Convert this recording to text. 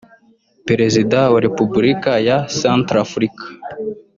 Perezida wa Repubulika ya Centrafrique